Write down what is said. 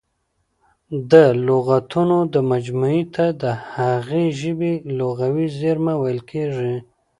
د لغاتونو مجموعې ته د هغې ژبي لغوي زېرمه ویل کیږي.